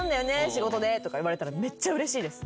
仕事で」とか言われたらめっちゃうれしいです。